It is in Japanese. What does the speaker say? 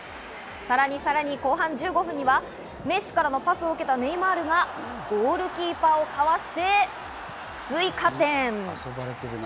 さらに後半１５分にはメッシからのパスを受けたネイマールがゴールキーパーをかわして追加点。